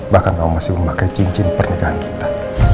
bahkan kau masih memakai cincin pernikahan kita